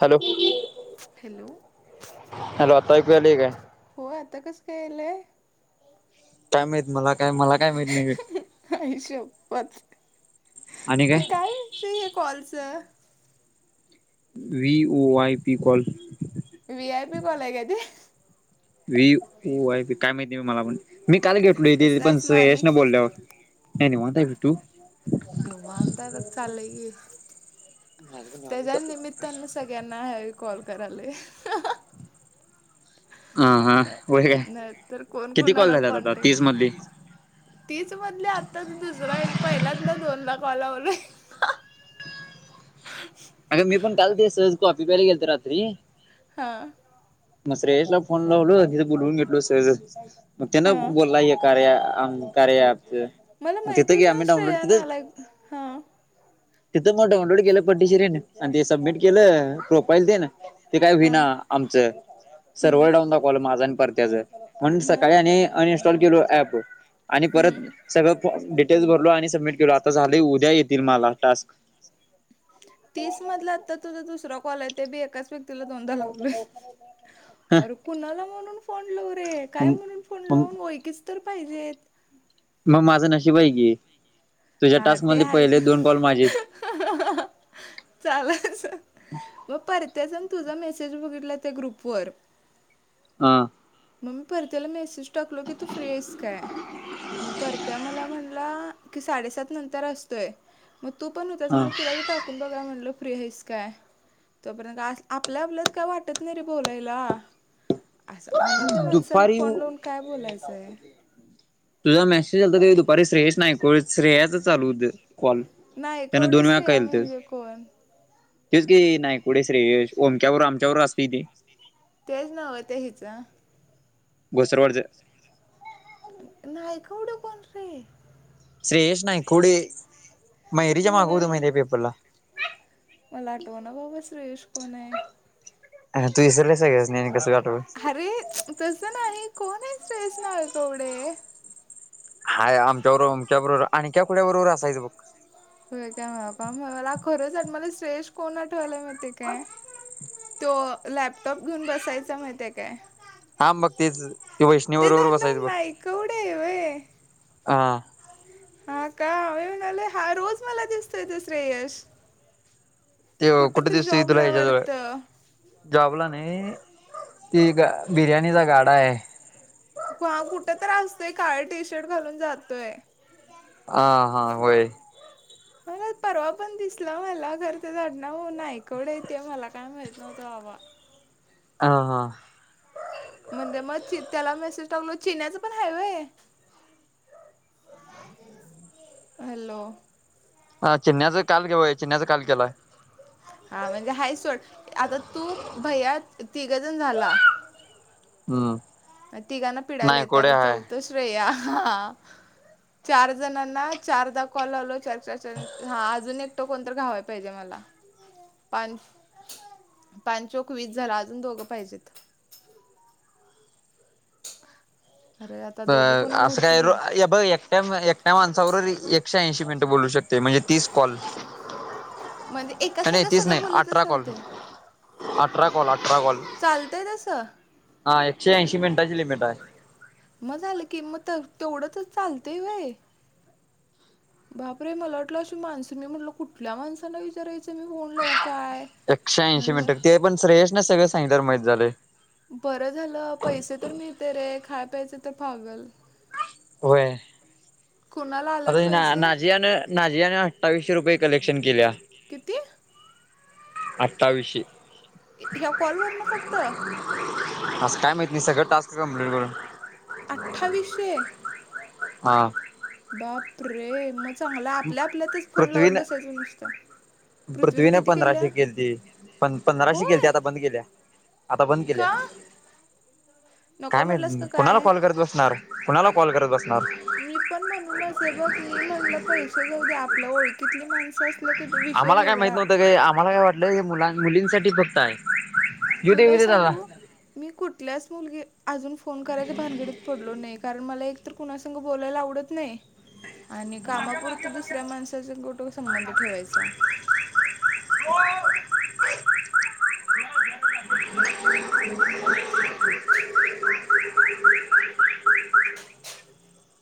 Hello hello hello आता ऐकू आली काय. होय आता कसं काय आलेय. काय माहीत मला काय मला काय माहीत नाही. ह हिशोबत काय हे कॉलच. व ओ Y P call. V I P कॉला का आहे ते. वी काय माहिती म मला पण मी काल घेटलो इथे कसं पण आहेस माने यश ना बोलल्यावर. नाहीनंा टू. निववांत चाले. माझ पण. ना ह कॉल कराले. हा हा होय काय नाही तर कोण किती कॉल कोणाला झाल्यात आता तीस कॉन्टॅक्ट. मधली तीच म्हधली आता तर दुसरा पहिल्यांदा दोनला कॉलवल. अग मी पण काल ते सहज कॉफी प्यायला गेलतो रात्री. हा मग श्रेयशला फोन लावल हेिथ बोलवून घेतल सहजच. मग ते ना हां बोलला य कार्या म कार्या ॲपच. मला मग तिथं की माहितच नाही आम्ही डाउनलोड श्रेया तिथं नालायक हा तिथं मग डाउनलोड केल पटदशरीन आणि ते सबमिट केल. प्रोफाईल दे ना. ते काय होईना हां आमच. हं सर्व्हर डाऊन दाखवल माझ आणि परत्याच. म्हणून सकाळी मग आणि अनइन्स्टॉल केलो ऍप. आणि परत हं सगळ डिटेल्स भरलो आणि सबमिट केल. आता झालय. उद्या येतील मला टास्क. तीस मधला आता तुझा दुसरा कॉल आहे. ते बी एकाच व व्यक्तीला दोनदा लावल. अर कुणाला म्हणून फोन लावु रे. काय म्हणून फोन मग लावू. ओळकीच तर पाहिजेत. मग माझ नशीब आहे की. तुझ्या हा टास्क ते मध्ये आहेच पहिले दोन काॅल माझे. [unintelligible] चालल मग परत्याचा आणि तुझा मेसेज बघितला त्या ग्रुपवर. हा म मी परत्याला मेसेज टाकलो की तू फ्री आहेस काय. मग परत्या मला म्हणला की साडेसात नंतर असतोय. मग तू पण होतास. ह म्हटल तुलाबी टाकून बघाव म्हणल फ्री आहेस काय. तोपर्यंत आपल्या आपल्यात काय वाटत नाही रे बोलायला. अनोळखी माणसाला दुपारी फोन लावून काय बोलायच आहे. तुझा मेसेज आलत दुपारी श्रेयस नाही को श्रेयाच चालू होत कॉल. नाही त्यान दोन कोणीच वेळा नाही केलत आम्ही वी कोण. तेच की नायकुढे श्रेयश. ओमक्याबरोबर आमच्याबरोबर असतेय ते. तेच नाव आहे ते हिच. घोसरवडच नाही कवड कोण रे. श्रेयष नाही कोडे. मयुरीच्या मागे मला होत ला- माहिती आहे पेपरला. मला आठव ना बाब श्रेयश कोण आहे. अ तू इसरली सगळ्यासनी. आणि कस आठवल. अरे तस नाही. कोण आहे श्रेयस नाय कवडे. हाय आमच्या बरोबर ओमक्याबरोबर आणि क्याकुड्या बरोबर असायच बघ. हो काय. का मला खरच आठ मला श्रेयश कोण आठवलाय माहीत आहे काय. तो लॅपटॉप घेऊन बसायचा माहिती आहे काय. हा बघ तेच ते वैष्णवी त्याच बरोबर बसायचं आडनाव बघ नाईकवडे आहे व्हय. हा हा का व्हय म्हणालय हा रोज मला दिसतोय तो श्रेयश. ते कुठे दिसतो तुला जॉबला आहे ह्याच्याजवळ. वाटतं जॉबला नाही. ती ग बिर्याणीचा गाडा आहे. ह कुठ तर असतय. काळ टी शर्ट घालून जातोय. ह हा होय. [inaudible] मला परवा पण दिसला. मला खर त्याच आडनाव नायकवडे आहे मला काय माहीत नव्हत बाबा. ह हा म्हणजे मची त्याला मेसेज टाकलो. चिन्याच पण हाय व्हय. हॅलो हा चिन्ह्याच काल केवय चिन्ह्याचा काल केलाय. हा म्हणजे हा सोड. आता तू भैया तिघजण झाला. हम्म तिघांना पिडायला येत. नायकुडे आता हाय. चौथ चार जण चारदा कॉललो च. हा अजून एकट कोणत घावाय पाहिजे मला. पाण पाणचोक वीस झालं अजून दोघं पाहिजेत. अरे आता दोघं तर कोणाला असं हुडकू काय रे र बघ. एकट्या एकट्या माणसाबरोबर एकशे ऐंशी मिनिटं बोलू शकतोय म्हणजे तीस कॉल. म्हणजे एका संग नाही तीच सगळं नाही बोललं तरं अठरा कॉल चालतंय. अठरा कॉल अठरा कॉल चालतय तस. हा एकशे ऐंशी मिनटाची लिमिट आहे. मग झालं की मग तेवढंच चालतय व्हय. बापरे! मला वाटलं अशी माणसं मी म्हटलं कुठल्या माणसांना विचारायचं मी फोन लाव. एकशे ऐंशी मिनिट ते पण श्रेयश ना सगळे सांगित तर माहित झाले. बरं झालं पैसे तर मिळते रे खाय प्यायचे तर भागल. व्हय. कुणाला आल्यात आता पैसे? नाझियान नाझियाने अठ्ठावीशे रुपये कलेक्शन केल्या. किती? अठ्ठावीशे. ह्या कॉलवरन फक्त. अस काय माहित नाही सगळं टास्क कम्प्लीट करून. हा. बाप रे! मग चांगला आपल्या आपल्यातच फोन लावत बसायच नसत. पृथ्वीने पंधराशे केलती प पंधराशे केलती होय? आता बंद केल्या. आता बंद केल्या का? नको काय म्हणलास का म्ह कुणाला काय? कॉल करत बसणार. कुणाला कॉल करत बसणार. मी पण म्हणून असे बघ मी म्हणलं पैसे जाऊ दे आपल्या ओळखीतली माणसं अस. आम्हाला काय माहत नव्हतं काय आम्हाला काय वाटलं हे मुला मुलींसाठी फक्त आहे. येऊ दे तुला येऊ दे दादा सांगू. मी कुठल्याच मुलगी अजून फोन करायला भानगडीत पडलो नाही कारण मला एक तर. कुणास बोलायला आवडत नाही. आणि कामापुरत दुसऱ्या माणसाचाून कुठं संबंध ठेवायचा. [inaudible] [inaudible]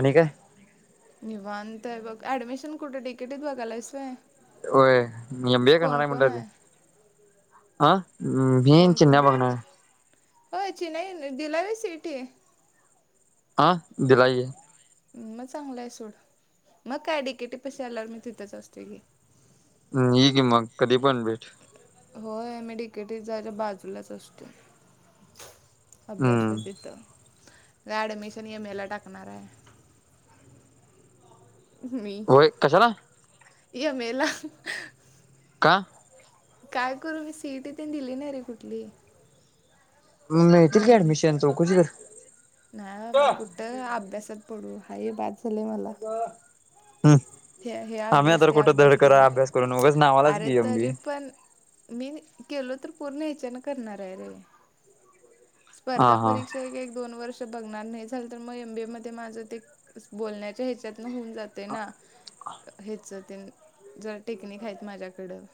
आणि काय. निवांतय बघ ऍडमिशन कुठे तिकिटत बघालायसय. [inaudible] कोण कोण बघणार होचीि नाही दिलावी स इटे. अं दिलाईे. मग चांगलंय सोड मग काय डीिकेटीपशी आल्यावर मी तिथेच असतोय घी. हम् हगि मग कधीपणबेट. होय मी तिकेटी जाय बाजूलाच असतो. अभ्यासला हम्म तिथं का ऍडमिशन यम एला टाकणार आहे. मी होय कशाला ह मेला. का? काय करू मी सीईट तेन दिली नाही रे कुठली? मग मिळतील की ऍडमिशन चौकशी कर. न्हाय बाबा कुठं अभ्यासात पडू हाय हे बास झालंय मला हम्. हे हे आम्ही अभ्यास आता ते कुठं धड अभ्यास करा लोड अभ्यास करून वगच नावालाच अरे की तरी आमबी. पण मी केलो तर पूर्ण याच्यान करणार आहे रे. हा स्पर्धा हा परीक्षा एक एक दोन वर्ष. बघ नाही तर मग एमबी मध्ये माझ ते बण्याच्या ह्याच्या होऊन जाते ना ह्याच ते जरा टेक्निक आहेत माझ्याकडं.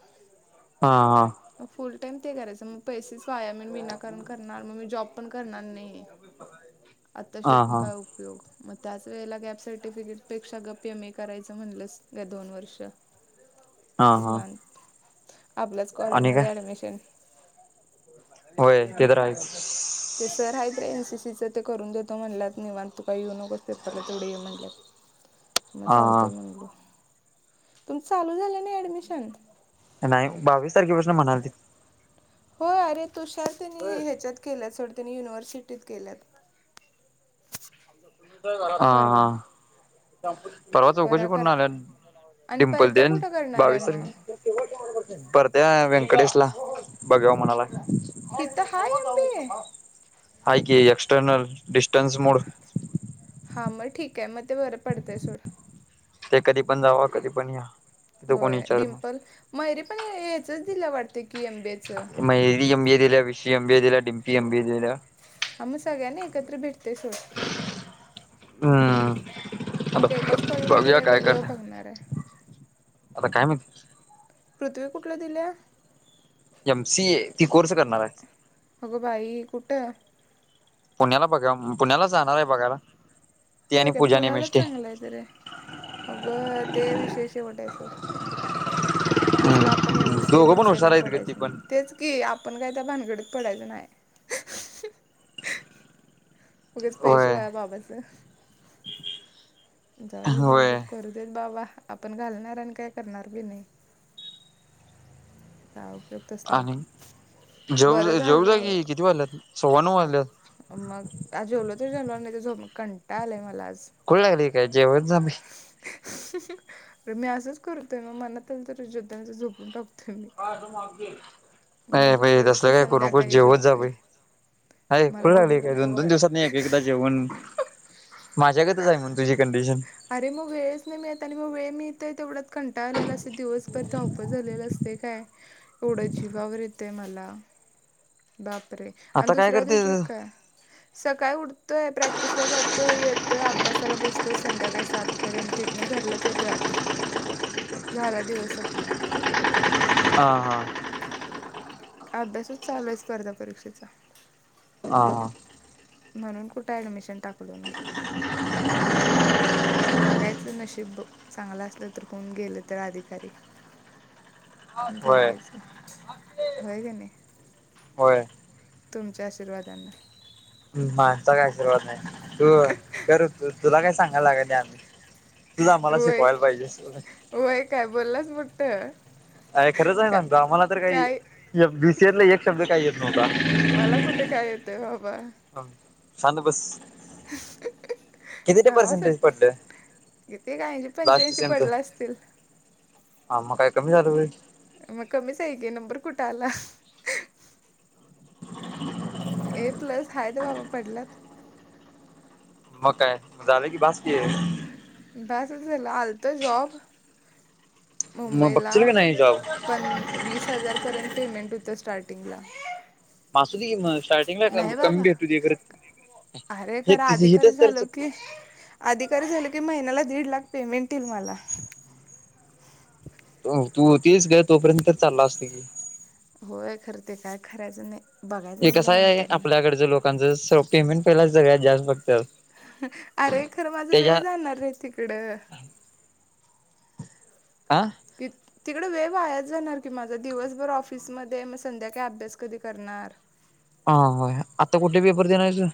हा हा. मग फुल टाइम ते करायचं मग पैसेच वाया मी विनाकारण करणार मग मी जॉब पण करणार न्हय मी आता हा शिकून हा काय उप मग त्याच वेळेला गॅप सर्टिफिकेट पेक्षा गप एम ए करायचं म्हणलीस या दोन वर्षात हा हा निवांत आपल्याच कॉलेज आणि काय मध्ये ऍडमिशन होय ते तर आहेच ते सर हाइत रे एनसीसी च ते करून देतो म्हणल्यात निवांत तू काय येऊ नकोस पेपरला तेवढे ये म्हणल्यात मग हा चालतेय हा म्हणल तुमच चालू झालं नाही ऍडमिशन नाय बावीस तारखेपासून म्हणालतीत हो अरे तुषार तेन हो ह्याच्यात केल्या सोड तीन युनिव्हर्सिटीत केल्यात हा हा परवा परवा चौकशी करा करून करा आल्यात आणि डिम्पल परत्या तेन कुठं करणार आहे बावीस मग तारखे परत्या व्यंकटेश ला बघ्याव म्हणालाय हितं हाय मबीए हाय की एक्स्टर्नल डिस्टनस मोूड हा मग ठीक अय मग ते बरं पडतय सोडं ते कधी पण जावा कधी पण या तिथं कोणी होय विचारत नाही डिम्पल मैयरी पण हेचच दिल्या वाटत की एम बीए मैयरी एम बीए दिल्या विष एम बी दिल्या डिमपी एम बीए दिल्या हा मग सगळ्यांना एकत्र भेटतेय सोड हम् आता मग एकाच कॉलेजमध्ये बघूया काय करता वेगवेगळं बघणार आहे आता काय म्ह पृथ्वी कुठल्या दिल्या एम सी ए ती कोर्स करणार आय अगं बाई कुठं पुण्याला बघ्याव पुण्याला जाणार हाय बघायला ती होय आणि काय पूजा पुण्यालाच नेमेष्टे चांगल हाईत रे अगं ते विशेय शेवट हाय सोड तसल आप पण एम सी बी दोघं एम पण स हुशार काय आहेत ग ती पडायचं पण नाही तेच की आपण काय त्या भानगडीत पडायचं न्हाय उगच पैसे होय वाया बाबाच जाऊ देत जाऊ होय देत करु करू देत बाबा आपण घालणार आणि काय करणार बी न्हई काय उपयोग तसल आणि बरं जेऊ जेऊ जा झालं की किती वाजल्यात सव्वा नऊ वाजल्यात मग आज जेवलो ते जेवलो आणि लगेच झोपलो कंटाळ आलाय मला आज खुळ लागलय काय जेवत जा बई अरे मी असंच करतोय मग मनात तर जेवतोय नाहीतर झोपून टाकतोय मी मग ये बई दुसऱ्या दिवशी तसल काय करू नको संध्याकाळी जेवत जा जेवतोय बई ये मला खुळ लागलय काय बघितलं दोन दोन दिवसात न एकेकदा जेवण माझ्यागत च हाय म्हण तुझी कंडिशन अरे मग वेळच न्हय मिळत येत आणि मग वेळ मिळतंय तेवढ्यात कंटाळलेल असतय दिवसभर धावपळ झालेलं असतय काय एवढं जीवावर येते मला बापरे आणि आता काय दुसर तु करते श काय सकाळी उठतो आहे प्रॅक्टिसला जातो आहे येतो आहे अभ्यासाला बसतो आहे संध्याकाळी सात पर्यंत तिथन घरलाच येतो आटला झाला दिवस संपला हां हां अभ्यासच चालूय स्पर्धा परीक्षेचा हा हा म्हणून कुठ ऍडमिशन टाकलो मी [unintelligible] [unintelligible] बघायचं नशीब बघ चांगल असलं, तर होऊन गेलं तर अधिकारी. होय बघायचं होय, का नाही. होय तुमच्या आशीर्वादान. आमचा काय आशीर्वाद नाही, तू कर तुला काय सांगायला लागत नाही आम्ही. तुचं आम्हाला शिकवायला पाहिजेस. होय, काय बोललास मोठं. अयं खरंच आहे का सांगतो आम्हाला, तर काय काही बीसीएतला एक शब्द काही येत नव्हता. मला कुठे काय येतयं? बाबा. हा शांत बस किती, ते पर्सेटेज नावासाठी पडलं? किती काय, ऐंशी पंच्याऐंशी पडला असतील? हा, मग काय कमी झाल होय. मग कमीच आहे कि, नंबर कुठं आला. [unintelligible] ए प्लस हायत बाबा पडल्यात. मग काय झाले की, बास की. बास चं झालं आलतं जॉब. मग मुंबईला बघशील का नाही जॉब पण वीस हजार पर्यंत, पेमेंट होतं स्टार्टिंगला. आसुदी की मग स्टार्टिगला कम- नाही कमी बाबा भेटू दे खरं अरे हेच खरं तिझं हितचं अधिकारी तर झालो चुकतयं. की अधिकारी झालं की, महिन्याला दीड लाख पेमेंट येईल मला. तो तु तेच ग तोपर्यंत तर चाललं असतं की, होय, खरं ते काय खय्राच नाही. बघायचं हे कसं म्हणलं आहे, नंतर आपल्या ना कडच्या लोकांच स पेमेंट पहिला सगळ्यात जास्त बघत्यात. अह अरे! खरं माझा वेळ जाणार रे तिकडं. आ कित तिकड वेळ वायाचं जाणार की माझा, दिवसभर ऑफिसमध्ये मग संध्याकाळी अभ्यास कधी करणार? हा होय, आता कुठे पेपर देणार हायस तु?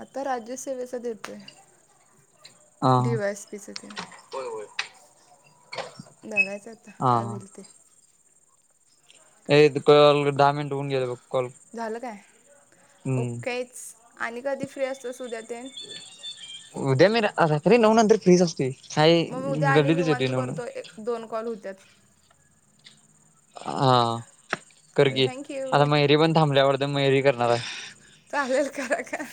आता राज्यसेेवेचा देतोय, डीवाय एस पी चा तेन. होय होय. बघायचं आता काय हा होईल ते? ये ते काँल दहा मिनट होऊन गेले, बघ. कॉल झालं काय हम्म ओकेचं! आणि कधी फ्री असतोस उद्या तेन? उद्या मी रात्री नऊ नंतर फ्रीचं असतोयं, काय मी उद्या आणि गल्लीतचं येतोयं निवांत नऊन करतो एक दोन कॉल होत्यात. हा हा चालेल करकी आता थँक्यू मैरी पण थांबल्या वाडतं मैरी पण करणार हाय. चालेल करा का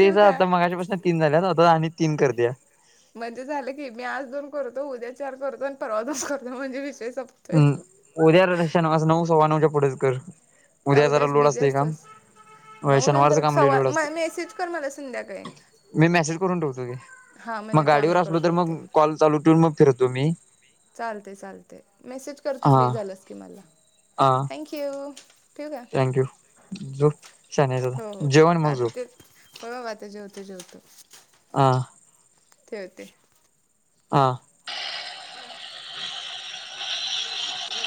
ठेवू का आता मगच पासन तीन झाल्यात, आता आणि तीन करत्या. म्हणजे झालं की, मी आज दोन करतो उद्या चार करतो आणि परवा दोन करतो म्हणजे विषय सं हम उद्या र- शनवारचं नऊ सव्वा नवच्या पुढंच करं. का उद्या जरा उद्यास लोड बिझी असतयं काम. असतोस होय नऊ शनिवारचं नंतर काम लय लोड असते सव्वा- मेसेज कर मला संध्याकाळी. मी मेसेज करून ठेवतो की, हां म्हणजे मग तेव्हा मी गाडीवर असलो कॉल तर मग कॉल चालू ठेवून मग फिरतो मी. चालतयं चालतयं मेसेज कर तु हा फ्री झालास, की मला हा थँंक्यु! थँक्यू! झोप शानी हायसं हो हो आता, जेव आणि मग आता झोप. ते होय, बाबा आता जेवतो जेवतो. आ ठेवते. आ बरं. ये